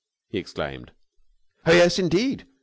he exclaimed. "Oh, yes, indeed!"